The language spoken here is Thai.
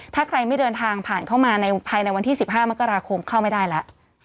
ถ้าใครไม่เดินทางผ่านเข้ามาภายในวันที่๑๕มกราคมเข้าไม่ได้แล้ว